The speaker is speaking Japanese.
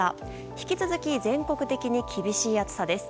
引き続き、全国的に厳しい暑さです。